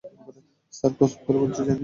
Sir, কসম করে বলছি জানি না।